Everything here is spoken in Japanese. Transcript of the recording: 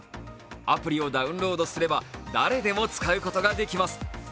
アプリをダウンロードすれば誰でも使うことができます。